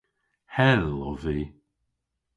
Hel ov vy.